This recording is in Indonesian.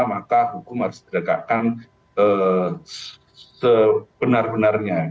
maka hukum harus didekatkan sebenar benarnya